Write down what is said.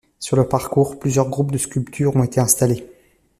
Sur le parcours plusieurs groupes de sculptures ont été installés.